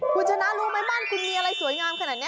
คุณชนะรู้ไหมบ้านคุณมีอะไรสวยงามขนาดนี้